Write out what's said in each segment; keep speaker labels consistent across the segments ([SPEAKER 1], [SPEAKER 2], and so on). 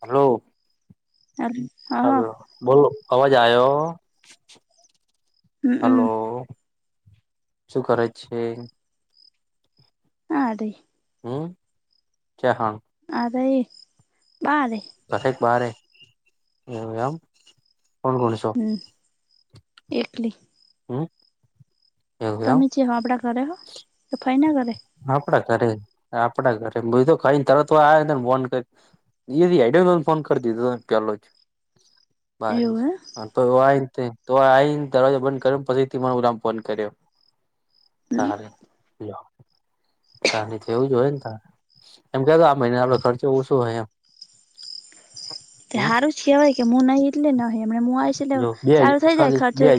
[SPEAKER 1] હાલો
[SPEAKER 2] [unintelligible]
[SPEAKER 1] હાલો બોલો અવાજ આવ્યો હલો
[SPEAKER 2] હમમ
[SPEAKER 1] શું કરે છે
[SPEAKER 2] આ રાય
[SPEAKER 1] હમ [unintelligible]
[SPEAKER 2] આ રાહિ બાહ રે
[SPEAKER 1] [unintelligible]
[SPEAKER 2] હમ એકલી
[SPEAKER 1] હમ એવું એમ
[SPEAKER 2] તમે ચીહો આપડા ઘરે હો કે ફઈના ઘરે
[SPEAKER 1] આપણા ઘરે આપડા ઘરે [unintelligible] ખાઈને તરત આ તને ફોન કરી [unintelligible] ફોન કરી દીધો ત પેહેલો જ
[SPEAKER 2] એવું હે
[SPEAKER 1] [unintelligible] તરે [unintelligible] [unintelligible] એવું જ હોય ને ત એમ કતો આ મહિને આપો ખર્ચો ઓછો હોય એમ હમ
[SPEAKER 2] સારું છે હોય કે મુ નહીં એટલે નહિ હમને હું આવીશ એટલે
[SPEAKER 1] જો બે
[SPEAKER 2] ચાલુ થઈ જાય
[SPEAKER 1] ખાલી
[SPEAKER 2] ખર્ચો
[SPEAKER 1] બે
[SPEAKER 2] એ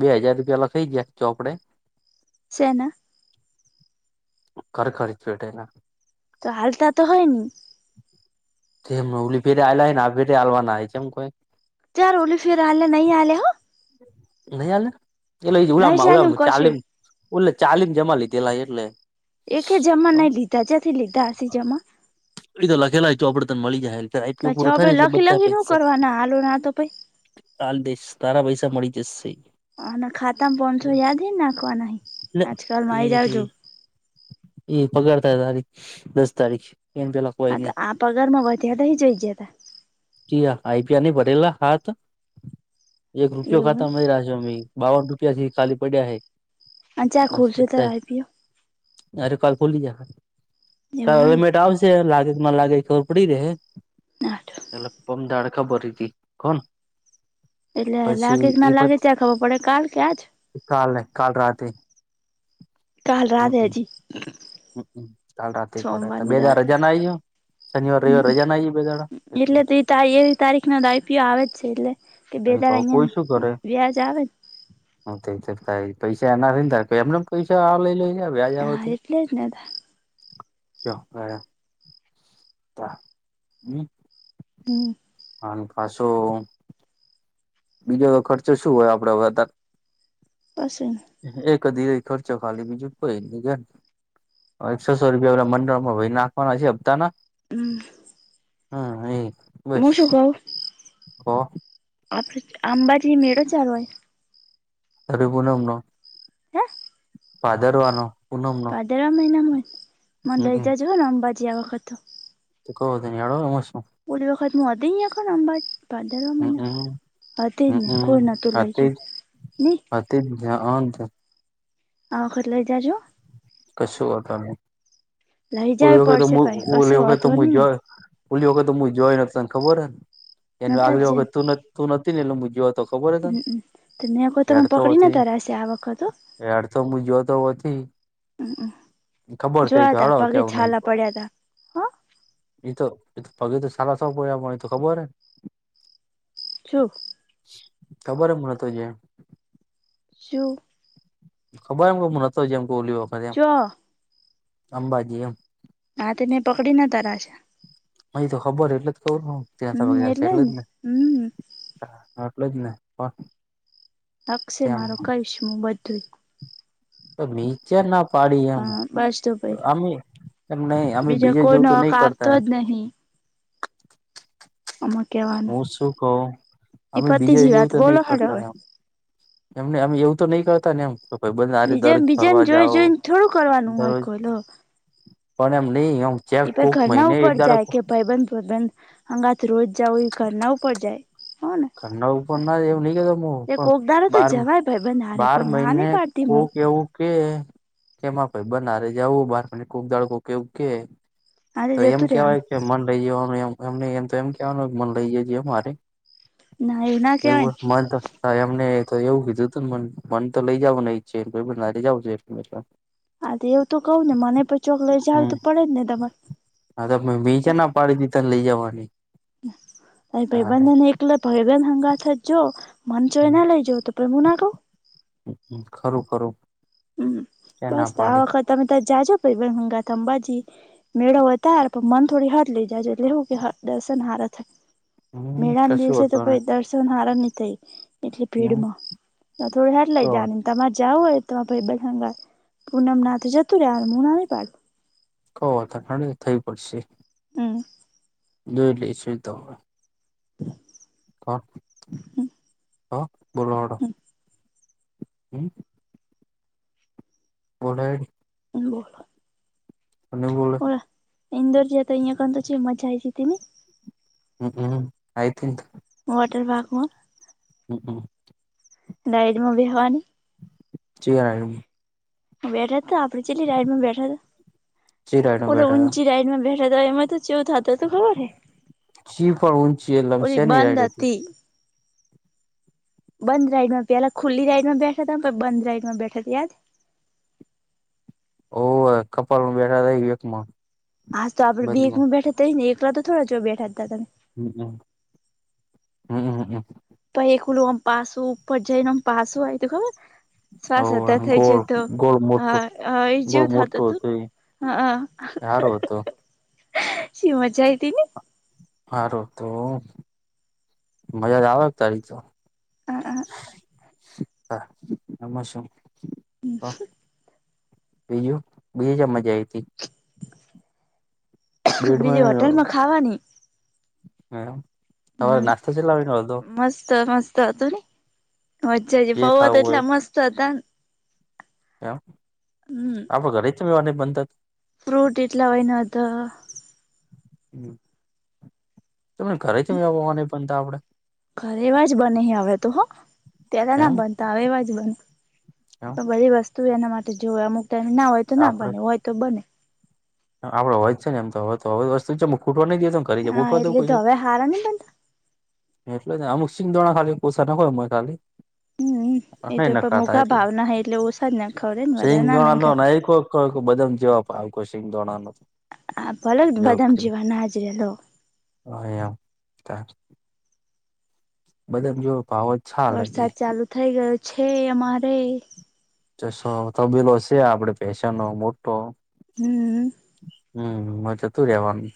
[SPEAKER 1] બે હાજાર રૂપિયા લખઇ જયા ચોપડે
[SPEAKER 2] શેના.
[SPEAKER 1] ખર ખર્ચ પેટેના
[SPEAKER 2] તો હલતા તો હોની.
[SPEAKER 1] [unintelligible]
[SPEAKER 2] ચાર ઓલી ફિર આલ્યા નઈ આલ્યા હો
[SPEAKER 1] નઈ
[SPEAKER 2] નહી ચાલે
[SPEAKER 1] આલ્યા
[SPEAKER 2] હું
[SPEAKER 1] [unintelligible]
[SPEAKER 2] કશું
[SPEAKER 1] ચાલીમ ઓલે ચાલીમ જમા લીધેલા એટલે
[SPEAKER 2] એકે જમા ન લીધા જથી લીધા હસે જમા
[SPEAKER 1] એ તો લખેલા ચોપડે તને મળી જાય [unintelligible]
[SPEAKER 2] પછી
[SPEAKER 1] પૂરું થાય
[SPEAKER 2] આપડે
[SPEAKER 1] ને એટલે
[SPEAKER 2] લખી
[SPEAKER 1] બધા
[SPEAKER 2] લખી શું
[SPEAKER 1] પૈસા
[SPEAKER 2] કરવાના હાલો ના તો પઈ
[SPEAKER 1] આલ દઇસ તારા પૈસા મળી જશે
[SPEAKER 2] હ ના ખાતામાં પોનસો યાદ હેને નાખવાના
[SPEAKER 1] એટલે
[SPEAKER 2] આજ કાલ
[SPEAKER 1] એ
[SPEAKER 2] માં [unintelligible]
[SPEAKER 1] એ પગાર થાય તારી દસ તારીખ એન પેલા કોઈ
[SPEAKER 2] હા તો
[SPEAKER 1] નઈ
[SPEAKER 2] આ પગાર માં વધ્યાતા એ ચય જયાતા.
[SPEAKER 1] ચિયા આઈપીઆ ન ભરેલા હાથ એક રૂપિયો ખાત
[SPEAKER 2] એવું એમ
[SPEAKER 1] [unintelligible] બાવન રૂપિયા એ ખાલી પડી હ
[SPEAKER 2] અને ચા
[SPEAKER 1] બસ
[SPEAKER 2] ખુરશી તો આઈપીઓ
[SPEAKER 1] અરે કાલ ખોલી જાહે
[SPEAKER 2] એવું
[SPEAKER 1] હવે
[SPEAKER 2] એમ
[SPEAKER 1] મેટ [unintelligible] લાગેમાં લાગે ખબર પડી રે
[SPEAKER 2] ને
[SPEAKER 1] એટલે પમ દાડ ખબર [unintelligible] ખમ
[SPEAKER 2] એટલે લાગે કે ના લાગે
[SPEAKER 1] પછી
[SPEAKER 2] ત્યાં ખબર પડે કાલ કે આજ
[SPEAKER 1] કાલે કાલ રાતે
[SPEAKER 2] કાલ
[SPEAKER 1] હમ
[SPEAKER 2] રાતે હજી
[SPEAKER 1] કાલ રાતે પડે બે દાઢ રજા ના આયુ.
[SPEAKER 2] હ એટલે તો તા તારીખનો તો આઈપીયો આવે જ છે એટલે કે
[SPEAKER 1] હવે તો
[SPEAKER 2] બેદારા
[SPEAKER 1] કોઈ
[SPEAKER 2] અહીંયા વ્યાજ આવે.
[SPEAKER 1] [unintelligible] થાય પૈસા એના [unintelligible] એમને પૈસા આવ લઈ લ
[SPEAKER 2] હા એટલે જ ને
[SPEAKER 1] [unintelligible]
[SPEAKER 2] હમ
[SPEAKER 1] અને પાછો બીજો ખર્ચો શું હોય આપડે વધા
[SPEAKER 2] કશું નહીં.
[SPEAKER 1] એ કદી ખર્ચો ખાલી બીજું કોઈ [unintelligible] એકસો સો રૂપિયા મંડળ માં [unintelligible] નાખવાના છે હપતા ના
[SPEAKER 2] હમ
[SPEAKER 1] હા એક
[SPEAKER 2] મુ શું કઉ આપ આંબાજી મેળો ચાલો હોય
[SPEAKER 1] તરે પુનમ નો.
[SPEAKER 2] હે
[SPEAKER 1] ભાદરવાનો પુનમ નો.
[SPEAKER 2] દર મહિનામાં હો મન લેઇ જ જો અંબાજી આ વખત
[SPEAKER 1] ત ક દ એડો એમશું
[SPEAKER 2] પ ખ મું અ હતીેહી એો આંબાર ભાદરવા મહિના
[SPEAKER 1] હમમ
[SPEAKER 2] હા તે જ ને કોર
[SPEAKER 1] હમમ
[SPEAKER 2] નોતું લઈજું નહી
[SPEAKER 1] તે આ તો
[SPEAKER 2] આ વખત લઈ જજો
[SPEAKER 1] કશું વાતા ન
[SPEAKER 2] લઈ જવી
[SPEAKER 1] ઓલી વખતે તો
[SPEAKER 2] પડશે ભાઈ કશો
[SPEAKER 1] ઓલી વખતે તો
[SPEAKER 2] વાંધો
[SPEAKER 1] મુ જો
[SPEAKER 2] નહી
[SPEAKER 1] ઓલી વખત તો મુજવાઈ જોઈને તને ખબર હને
[SPEAKER 2] ને
[SPEAKER 1] એ
[SPEAKER 2] નતા જ
[SPEAKER 1] આગલી વખત ત તું નથી ને એટલે મુ જો
[SPEAKER 2] હમમ મેં કોઈ તને પકડી નાતારાશે આ વખત ઓ
[SPEAKER 1] યાર તુમ મુજાવતો નથી
[SPEAKER 2] જોયા તા
[SPEAKER 1] હેડો
[SPEAKER 2] પગલે
[SPEAKER 1] કેવું
[SPEAKER 2] છાલા પડ્યા તા. હ
[SPEAKER 1] એ તો પગી તો સાારા સ પડ્યા પણ એ તો ખબર હે. [inaudible]
[SPEAKER 2] છો
[SPEAKER 1] ખબર એમ નતો જે
[SPEAKER 2] જું
[SPEAKER 1] ખબર એમ કે હું નતો જેમ કે ઓલી વખતે એમ
[SPEAKER 2] જો
[SPEAKER 1] અંબાજી એમ
[SPEAKER 2] હા તે મેને પકડીને તારશે.
[SPEAKER 1] અહી તો ખબર એટલે જ કવું હ
[SPEAKER 2] હમ
[SPEAKER 1] ત્યાંગ છે એટલે
[SPEAKER 2] ને
[SPEAKER 1] જને.
[SPEAKER 2] હમ
[SPEAKER 1] હ એટલે જ ને પણ
[SPEAKER 2] લકશે મારો કહીશ હું બધું.
[SPEAKER 1] તો નીચા ના પાડી એમ
[SPEAKER 2] હ બસ તો ભાઈ
[SPEAKER 1] અમે કેમ નહી અમે
[SPEAKER 2] બીજા
[SPEAKER 1] બીજે જેવું
[SPEAKER 2] કોઈનો
[SPEAKER 1] તો
[SPEAKER 2] હક
[SPEAKER 1] નહી
[SPEAKER 2] આપતો
[SPEAKER 1] કરતા
[SPEAKER 2] જ નહી આમાં કહેવાનું.
[SPEAKER 1] હું શું કહું અમે બીજા જવું
[SPEAKER 2] વાત
[SPEAKER 1] તો
[SPEAKER 2] બોલો
[SPEAKER 1] નહી
[SPEAKER 2] હાડો હવે
[SPEAKER 1] કરતામ એમને અમે એવું તો નહી કરતા ને એમ તો ભાઈબંધ આરે
[SPEAKER 2] બીજા
[SPEAKER 1] દરરોજ
[SPEAKER 2] બીજાને
[SPEAKER 1] ફરવા
[SPEAKER 2] જોઈ
[SPEAKER 1] જાઓ
[SPEAKER 2] જોઈને થોડું કરવાનું હોય
[SPEAKER 1] દરરોજ
[SPEAKER 2] કોઈલો
[SPEAKER 1] પણ એમ નહીં એવું.
[SPEAKER 2] એ પ ઘરના ઉપર જાય કે ભાઈબંધ ભબંધ અંગાથ રોજ જાવ એ ઘરના ઉપર જાય હાને
[SPEAKER 1] ઘરના ઉપર ના એવું નહી કેતોું પણ
[SPEAKER 2] દાડો તો
[SPEAKER 1] બાર
[SPEAKER 2] જવાય ભાઈબંધ હારે
[SPEAKER 1] બાર
[SPEAKER 2] કોઈ ના
[SPEAKER 1] મહિને
[SPEAKER 2] નહી પાડતી હું
[SPEAKER 1] કોક એવુ કે કેમાં પ બનારે જવું બારપ ખુક દડકોું કેવું કે
[SPEAKER 2] આજે
[SPEAKER 1] તો એમ
[SPEAKER 2] જતું
[SPEAKER 1] કેવાય
[SPEAKER 2] રેવાનું
[SPEAKER 1] છે મન લઈ જવાનુંમમમ એમ કેવાનું મન લઈ જ છે, અમારે
[SPEAKER 2] ના ના કેવાય
[SPEAKER 1] એવું
[SPEAKER 2] ને
[SPEAKER 1] મન તો હા એમને તો એવું કીધું હતું મ મન તો લઈ જાવું ઈ જાવું
[SPEAKER 2] હા એવું તો કહું ને મને પણ ચોક લ જાવ
[SPEAKER 1] હમ.
[SPEAKER 2] તો પડે જ ને તમાર
[SPEAKER 1] હા, તો તમે બીચા ના પાડી થી તને લઈ જવાની તારે
[SPEAKER 2] ભાઈબંધન એકલે ભાઈબન હંગાથ જ જો મન જોો એ ના લઈ જ પ્રેમુના કો
[SPEAKER 1] ખરું ખરું
[SPEAKER 2] હમ
[SPEAKER 1] ક્યાં
[SPEAKER 2] બસ
[SPEAKER 1] ના
[SPEAKER 2] આ
[SPEAKER 1] પાડી
[SPEAKER 2] વખત તમે ત જાજો પી વહંગાથ અંબાજી મેળો હોય તાર પણ મન થોડી હટ લઇ જાયજ એટલે એવું કે દર્શન હરા થા
[SPEAKER 1] હમ
[SPEAKER 2] મેળન
[SPEAKER 1] કશું
[SPEAKER 2] દિવસે તો પ
[SPEAKER 1] હતું ને
[SPEAKER 2] દ ને હાર ન થઈ એટલી
[SPEAKER 1] હમ
[SPEAKER 2] ભીડમાં થોડી હાર લઇ જા તમારે જાવ હોય ત બરંગ પૂનમ નાથ જતું મુના પા
[SPEAKER 1] કઠડ થઈ પડશે
[SPEAKER 2] હમ્મ
[SPEAKER 1] જોઈ લઈશું એ તો હવે. હ [inaudible] હ [inaudible] બોલવા ડો
[SPEAKER 2] હમ
[SPEAKER 1] હુ [unintelligible]
[SPEAKER 2] [unintelligible]
[SPEAKER 1] [unintelligible]
[SPEAKER 2] ઈદર જેતોઈંયાખ તો ચી મજા આવી જ તેની
[SPEAKER 1] [unintelligible]
[SPEAKER 2] વોટર પાર્કમાં.
[SPEAKER 1] હમ્મ--હમ્મ
[SPEAKER 2] ડારોબી હવાની.
[SPEAKER 1] જીરામ
[SPEAKER 2] બેઠા તો આપડ છેટલી રાઈડમાં બેઠા તો
[SPEAKER 1] ચી રાઈડ
[SPEAKER 2] ઓલો
[SPEAKER 1] બેઠા હતા
[SPEAKER 2] ઊંચી રાઈડમાં બેઠા તો એમાં તો જેવું થતો તો ખબર હે,
[SPEAKER 1] ચી પણ ઊંચી
[SPEAKER 2] ઓરી
[SPEAKER 1] લમશે ની
[SPEAKER 2] બંધ
[SPEAKER 1] રાઈડ
[SPEAKER 2] હતી. બંધ રાઈડમાં પેલા ખુલ્લી રાઈડ માં બેઠા હતા બંધ રાઈડમાં બેઠા તે યાદ.
[SPEAKER 1] ઓવ કપાલ બેઠા [unintelligible] માં
[SPEAKER 2] હા તોડે બે એકમાં બેઠા થ ને એકલા તો થોડા જો બેઠા હતા તમે
[SPEAKER 1] હમ હમ
[SPEAKER 2] પ એ ખુલું આમ પાસું ઉપર જઈને આમ પાસું આવય તું ખબર શ્વાસ અા
[SPEAKER 1] હમ
[SPEAKER 2] થઈ જ
[SPEAKER 1] ગોળ
[SPEAKER 2] તો
[SPEAKER 1] ગોળ મોટો
[SPEAKER 2] હ એ
[SPEAKER 1] ગોળ
[SPEAKER 2] જેવું
[SPEAKER 1] મોટો
[SPEAKER 2] થતું હતું
[SPEAKER 1] હતો એ
[SPEAKER 2] હા
[SPEAKER 1] સારો હતો
[SPEAKER 2] [unintelligible] શી મજા આઈતીની
[SPEAKER 1] હા રો તો મજા [unintelligible] ત હ નિયમ હ બીયુ બીજા મજા આવી હી ગેટમાં
[SPEAKER 2] બીજી
[SPEAKER 1] [inaudible]
[SPEAKER 2] હોટલમાં ખાવાની
[SPEAKER 1] મેડમ
[SPEAKER 2] હમ મસ્ત મસ્ત હતું ને. વચ્છા
[SPEAKER 1] જે
[SPEAKER 2] ફવવા તો
[SPEAKER 1] ખાવું
[SPEAKER 2] એટલા મસ્ત હતા
[SPEAKER 1] [unintelligible]
[SPEAKER 2] હમ
[SPEAKER 1] આપડો ઘરે ચલ જવાની મન
[SPEAKER 2] ફ્રૂટ એટલા હોય ન હતા.
[SPEAKER 1] તમે ઘરે ચલજા વાનિ પણ આપડે
[SPEAKER 2] ઘરે એવા જ બને હવે તો હ ત્યારે ના
[SPEAKER 1] એમ
[SPEAKER 2] બનતા હ એવા જ બન
[SPEAKER 1] એમ
[SPEAKER 2] તો બધી વસ્તુ એના માટે જો અમુક ટ ના હોય ના બને હોય તો બને.
[SPEAKER 1] હ આપડો હોયને છે ને એમ તોય તો હવે વસ્તુ છે ખૂટું નઈ કીધું.
[SPEAKER 2] હા એટલે હવે હારાની બ [unintelligible]
[SPEAKER 1] એટલે જ આમુશી બ હાલી પો સગા હો મતાલી.
[SPEAKER 2] હમ એ તો પણ મોઘા ભાવ ના હ એટલે ઓછા જ ના ખાવડે ને વધારે ના નાખાય.
[SPEAKER 1] બદ જેવા ભાવ સિંગ દાણા ન તો.
[SPEAKER 2] હ ભલો બદામ જીવા ના હાજરીલો.
[SPEAKER 1] હ એમ. બદામ જેવો ભાવ. ચાલે
[SPEAKER 2] વરસાદ ચાલુ થઇ ગયો છે અમારે.
[SPEAKER 1] સો તબેલો છે આપડે ભેશાનો મોટો.
[SPEAKER 2] હમ.
[SPEAKER 1] હમ જતું રહેવાનું.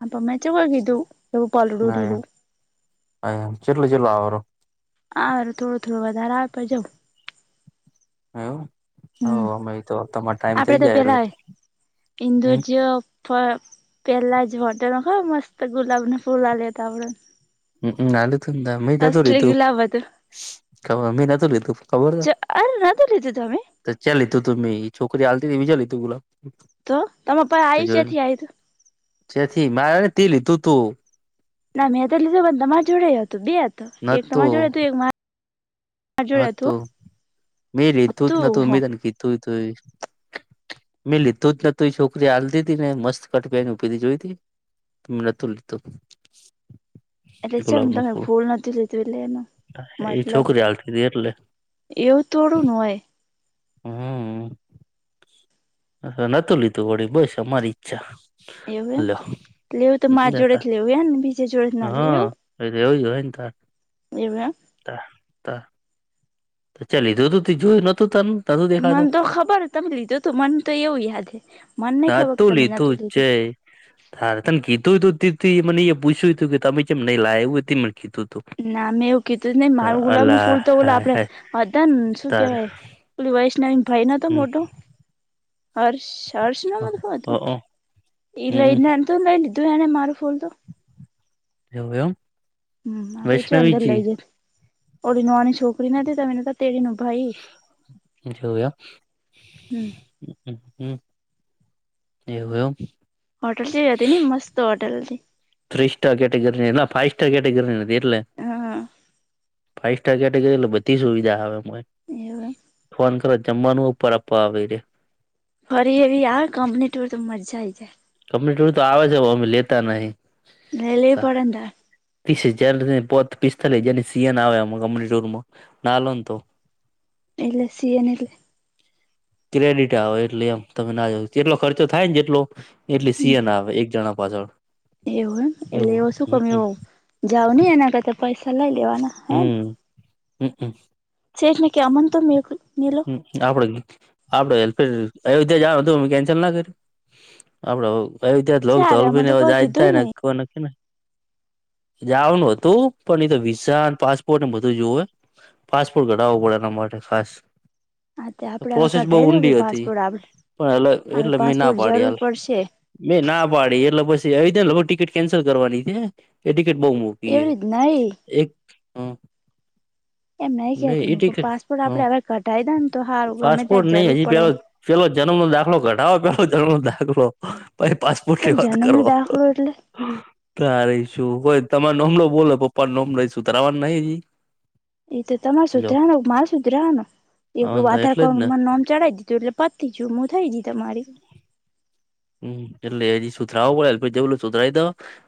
[SPEAKER 2] આપ [unintelligible] એવું પલડું [unintelligible]
[SPEAKER 1] હ ચલો ચલો આવેરો?
[SPEAKER 2] હા થોડું થોડો વધારે આપે જવો.
[SPEAKER 1] એ હ
[SPEAKER 2] હમ
[SPEAKER 1] અમે તો તમાર ટાઈમ થઇ
[SPEAKER 2] આપડે
[SPEAKER 1] જાય એટલે હમ.
[SPEAKER 2] [unintelligible] અ પેલા જ હોટલ ખબર મસ્ત ગુલાબનું ફૂલ આલ્યુ ત આપડે.
[SPEAKER 1] હમ હ આલ્યુતું મે નતું
[SPEAKER 2] અસલી
[SPEAKER 1] લીધું.
[SPEAKER 2] ગુલાબ
[SPEAKER 1] ખબર મી નતું લીધું ખબર
[SPEAKER 2] હતું અરે નતું લીધું તમે
[SPEAKER 1] તને ત ચ લીધુ તું છોકરી આલતી બિજું લી તું બુલ
[SPEAKER 2] તો તમેં પણ આવીય ચેથી આયુતું.
[SPEAKER 1] જેથી મારે ને તે લીધું તું.
[SPEAKER 2] ના મેં તો લીધું પણ તમાર જોડે હતું, બે હતો એક તમાર જોડે હતું એક મા
[SPEAKER 1] હા તો મેં લીધું જ
[SPEAKER 2] હતું
[SPEAKER 1] નતું
[SPEAKER 2] હ
[SPEAKER 1] મે તને કીધું મેં લીધું જ નતું છોકરી આલતી ને મસ્ત કટ પેરીને જોઈ તી? મે નોતું લીધું.
[SPEAKER 2] એટલે ચમ
[SPEAKER 1] ગુલાબ નું
[SPEAKER 2] તમે
[SPEAKER 1] ફૂલ.
[SPEAKER 2] નથી લીધું એટલે એનું
[SPEAKER 1] એ
[SPEAKER 2] મતલબ
[SPEAKER 1] છોકરી આલતી તી એટલે.
[SPEAKER 2] એવું તોડું ન હોય.
[SPEAKER 1] હમ. હ નતું લીધું વળી બસ અમારી ઈચ્છા.
[SPEAKER 2] એવું એમ
[SPEAKER 1] લ્યો
[SPEAKER 2] લેવું તો માર જોડે
[SPEAKER 1] જતા
[SPEAKER 2] જ લેવું એ ને બીજે જોડે જ ના લેવ એવું.
[SPEAKER 1] એ એવુંજ હો એ તાર.
[SPEAKER 2] એવું એમ.
[SPEAKER 1] [inaudible] ચ લીધુંધું [unintelligible]
[SPEAKER 2] મને તો ખબર તમે લીધું તું મન તો એવું યાદ હે. મને નહી ખબર કે તમે નતું લીધું.
[SPEAKER 1] હર તને કીધુંતું મને એ પૂછ્યું તું કે તમે ચેમ નહી લાયા એવું તે મને કીધું તું.
[SPEAKER 2] ના મેં એવું કીધું જ નહી. મારું ગુલાબ નું
[SPEAKER 1] અલા
[SPEAKER 2] ફૂલ તો ઓલો
[SPEAKER 1] હાય
[SPEAKER 2] આપડે
[SPEAKER 1] હાય
[SPEAKER 2] હતાને શું
[SPEAKER 1] તાર
[SPEAKER 2] કેવાય? પલી વાઈસના ભાઈ ન હતો
[SPEAKER 1] હમ
[SPEAKER 2] મોટો. હર્ષ હર્ષ નામ હતું કે શું હતુ.
[SPEAKER 1] અ
[SPEAKER 2] એઈ
[SPEAKER 1] હમ
[SPEAKER 2] લઈને ને તો લઈ લીધું એને મારું ફૂલ તો.
[SPEAKER 1] એવુ એમ.
[SPEAKER 2] હમ આપડે ચ અંદર લઇ
[SPEAKER 1] વૈષ્ણવીજી
[SPEAKER 2] જય. ઓળ નોની છોકરી નતી તમે તેડી ન ભાઈ. હમ
[SPEAKER 1] [inaudible] એવું એમ
[SPEAKER 2] હોટલ ચેવી હોતી નહીં, મસ્ત હોટલ હતી.
[SPEAKER 1] ત્રી સ્ટાર કેટગરીની, ના ફાઈવ સ્ટાર કેટગરીની હતી એટલે.
[SPEAKER 2] હા હા.
[SPEAKER 1] ફાઈવ સ્ટાર કેટેગરી એટલે બધી સુવિધા આવે મા
[SPEAKER 2] એવું એમ.
[SPEAKER 1] ફોન કરો જમવાનું ઉપર આપપા આવે ઇરિયા.
[SPEAKER 2] ફરી એવી આ કંપની ટોર તો મજા આઇ જાય.
[SPEAKER 1] કમ્લીટર તો આવે છ. ઓમ લેતા નહીં
[SPEAKER 2] લે લે પડેય ને તારે
[SPEAKER 1] ત્રીસજાર પોત પિસ્તાલીસ હજાર સીએન આવે કમલીત [unintelligible] ના લોને તો
[SPEAKER 2] એટલે સી એન એટલે?
[SPEAKER 1] ક્રેડિટ આવે એટલે એમ તમે ના જાવ જેટલો ખર્ચો થાય ને જેટલો એટલે સિએન આવે એક જણા પાછળ.
[SPEAKER 2] એવું એમ એટલે
[SPEAKER 1] એવું
[SPEAKER 2] એવો શું
[SPEAKER 1] હમ
[SPEAKER 2] કમ હો
[SPEAKER 1] હમ
[SPEAKER 2] જાવ ની એના કરતા પૈસા લઈ લેવાના હે ને
[SPEAKER 1] [unintelligible]
[SPEAKER 2] સેઠ કે અમન તે કેમ મેલો
[SPEAKER 1] હ આપડ આપડે અયોધ્યા જ તો મે કેન્સલ ના કર્યું આપડે અયોધ્યાક તો
[SPEAKER 2] ચારે અમને
[SPEAKER 1] અલભી ને
[SPEAKER 2] કોઈ
[SPEAKER 1] જાય જ
[SPEAKER 2] કીધું
[SPEAKER 1] થાય ને
[SPEAKER 2] નહી
[SPEAKER 1] કોઈ ન ને જવાનું હતું, પણ એ તો વિઝા પાસપોર્ટ એ બધું જોવે. પાસપોર્ટ કઢવવો પડે એના માટે ખાસ.
[SPEAKER 2] હા તે આપડે હવે
[SPEAKER 1] પ્રોસેસ બવ
[SPEAKER 2] કઢાઈ દઉ કે
[SPEAKER 1] ઊંડી હતી,
[SPEAKER 2] પાસપોર્ટ આપડે
[SPEAKER 1] પણ એ
[SPEAKER 2] હવે
[SPEAKER 1] એટલે મેં ના
[SPEAKER 2] પાસપોર્ટ
[SPEAKER 1] પાડી
[SPEAKER 2] જરૂર
[SPEAKER 1] હાલ.
[SPEAKER 2] પડશે
[SPEAKER 1] મેં ના પાડી એટલે પછી આવી ને ટિકિટ કેન્સલ કરવાની
[SPEAKER 2] એવી રીત નહી
[SPEAKER 1] એક હ.
[SPEAKER 2] એમ નહી
[SPEAKER 1] એ
[SPEAKER 2] કહેતી
[SPEAKER 1] ટિકિટ
[SPEAKER 2] પાસપોર્ટ
[SPEAKER 1] હ
[SPEAKER 2] આપડે હવે કઢાઈ ને તો સારુ, ગમે
[SPEAKER 1] પાસપોર્ટ
[SPEAKER 2] ત્યાં
[SPEAKER 1] નહી
[SPEAKER 2] જરૂર
[SPEAKER 1] હજી
[SPEAKER 2] પડે
[SPEAKER 1] પેલો
[SPEAKER 2] એમ,
[SPEAKER 1] પેલો જન્મ નો દાખલો કઢાવો પેલો જન્મ નો દાખલો. પછી પાસપોર્ટ
[SPEAKER 2] જેમ
[SPEAKER 1] ની વાત
[SPEAKER 2] જન્મ નો
[SPEAKER 1] કરો.
[SPEAKER 2] દાખલો એટલે
[SPEAKER 1] શું કો તમારો નોમ બોલો પપ્પા નોમલો સુતરાવાનું નહી.
[SPEAKER 2] એ તો તમારે
[SPEAKER 1] લ્યો
[SPEAKER 2] સુધરા ને મારે સુધરા ને એકડું
[SPEAKER 1] હા
[SPEAKER 2] આધાર
[SPEAKER 1] એટલે જ ને
[SPEAKER 2] કાર્ડ મા નામ ચઢાવ દી. એટલે પતી જ્યુ, મું થઈ દી તમારી.
[SPEAKER 1] હમ [inaudible]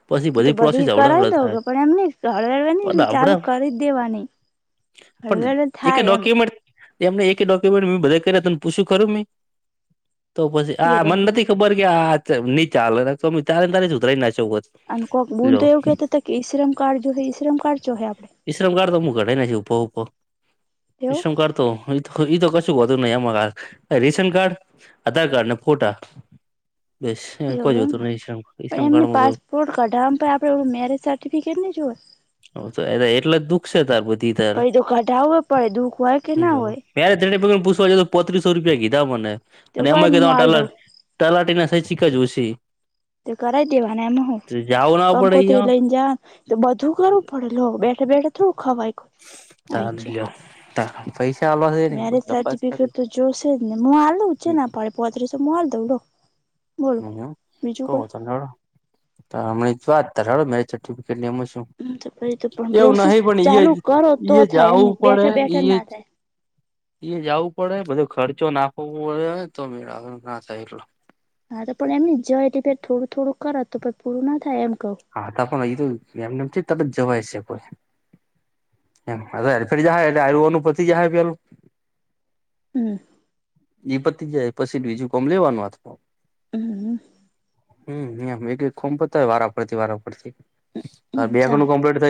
[SPEAKER 1] પછી બધી પ્રોસેસ અવડા અવડા થાય
[SPEAKER 2] તો
[SPEAKER 1] પણ
[SPEAKER 2] બધુંય
[SPEAKER 1] આપડા
[SPEAKER 2] ક
[SPEAKER 1] પણ જે કઈ ડોક્યુમેન્ટ એમને એક ડોક્યુમેન્ટ મે બધા કર્યાને પૂછ્યૂ ખરું મે? તો પછી
[SPEAKER 2] એ
[SPEAKER 1] આ મન
[SPEAKER 2] ડોક
[SPEAKER 1] નથી ખબર કે આ ન ચાલે ચાલે ને તારે ને તારે ન ઉતરાઈ ના શકો હોત.
[SPEAKER 2] અને કોક બૂન
[SPEAKER 1] લ્યો
[SPEAKER 2] તો એવું કહેતુ હતુ કે ઈશ્રમ કાર્ડ જો ઈશ્રમ કાર્ડ જો આપડે?
[SPEAKER 1] ઈશ્રમ કાર્ડ તો હું કઢાઈ [unintelligible] ના ઉપો
[SPEAKER 2] એવું
[SPEAKER 1] વિશ્રમ કર. તો તો કશું નહી આમાં રેશન કાર્ડ, આધાર કાર્ડ ને ફોટા. બસ કોઈ
[SPEAKER 2] એવુ એમ
[SPEAKER 1] જોતું
[SPEAKER 2] ને
[SPEAKER 1] નહી ઈ શ્રમ
[SPEAKER 2] એમ
[SPEAKER 1] કાર્ડ
[SPEAKER 2] નઈ પણ
[SPEAKER 1] માં
[SPEAKER 2] પાસપોર્ટ કઢાવા તો આપ્યો પણ મેરેજ સર્ટિફિકેટ નઈ જોઈએ.
[SPEAKER 1] હ તો એટલે જ દુઃખ છે તાર બધી તાર,
[SPEAKER 2] પણ એ તો કઢાવવું પડે દુઃખ હોય કે ના
[SPEAKER 1] જો.
[SPEAKER 2] હોય
[SPEAKER 1] ત્યારે તેને પગને પૂછવા ગયો તો પોત્રીસો રૂપિયા કીધા મને
[SPEAKER 2] તો
[SPEAKER 1] અને
[SPEAKER 2] કોઈ
[SPEAKER 1] એમાં
[SPEAKER 2] નઈ હું આલ
[SPEAKER 1] કલાક
[SPEAKER 2] દઉં
[SPEAKER 1] તલાટી ના સહી સિક્કા જોશે.
[SPEAKER 2] તે કરાય દેવાના એમાં હૂ
[SPEAKER 1] જાવું ના પડે
[SPEAKER 2] કંકોતરી
[SPEAKER 1] અયા
[SPEAKER 2] લઈને જવાનુ. તો બધુંય કરવું પડે લો! ! બેઠા બેઠા થોડું ખવાય?
[SPEAKER 1] ત
[SPEAKER 2] આઈ
[SPEAKER 1] લ
[SPEAKER 2] જા
[SPEAKER 1] પૈસા અલ [unintelligible]
[SPEAKER 2] મેરેજ સર્ટિફિકેટ તો જોશે જ ને હું હાલ દઉં છે છલ પા પોત્રીસો હ હાલ દવ લો. બોલો
[SPEAKER 1] હમ
[SPEAKER 2] બીજું
[SPEAKER 1] ક ત હમ વાત [unintelligible] મેરેજ સર્ટિફિકેટ એમા શુ
[SPEAKER 2] કોઈ તો પછી તો પણ
[SPEAKER 1] એવું
[SPEAKER 2] પ્રોસેસ
[SPEAKER 1] નહી પણ ઈ
[SPEAKER 2] ચાલુ
[SPEAKER 1] જ
[SPEAKER 2] કરો તો
[SPEAKER 1] ઈ
[SPEAKER 2] થાય
[SPEAKER 1] જાવુ
[SPEAKER 2] એમની
[SPEAKER 1] પડે
[SPEAKER 2] બેઠા બેઠા
[SPEAKER 1] ઈ
[SPEAKER 2] ના
[SPEAKER 1] જ
[SPEAKER 2] થાય
[SPEAKER 1] એ જવું પડે, બધો ખર્ચો નાખવો પડે તો મેળ આવે ના થાય એટલો.
[SPEAKER 2] હા તો પણ એમ નહી જયા હતી થોડું થોડું કર તો પણ પૂરું ના થાય એમ કઉું.
[SPEAKER 1] હા ત પણ એ તો એમનેમ તરત જવાય છે કોઈ. જ [unintelligible] અનુ પતિ જ
[SPEAKER 2] હમ.
[SPEAKER 1] એ પતી જાય પછી બીજું કોમ લેવાનું હાથમા.
[SPEAKER 2] હમ.
[SPEAKER 1] હમ એક એક ખોમ પતાયા વારા ફરતી વારા ફરતી
[SPEAKER 2] હમ
[SPEAKER 1] બે
[SPEAKER 2] ચાલ
[SPEAKER 1] ન કોમ્પ્લે